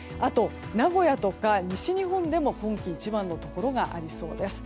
名古屋とか西日本でも今季一番のところがありそうです。